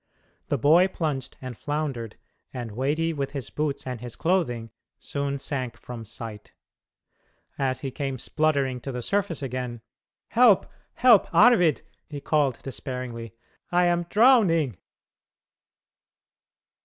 The boy plunged and floundered, and weighty with his boots and his clothing, soon sank from sight. As he came spluttering to the surface again, "Help, help, Arvid," he called despairingly; "I am drowning!"